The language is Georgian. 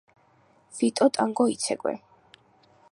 ვიტო ტანგო იცეკვეე